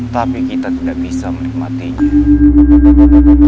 tapi kita tidak bisa menikmatinya